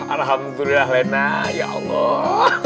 alhamdulillah lena ya allah